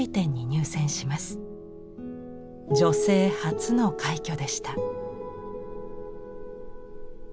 女性初の快挙でした。